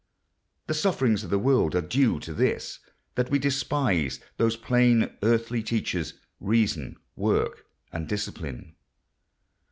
The sufferings of the world are due to this, that we despise those plain earthly teachers, reason, work, and discipline.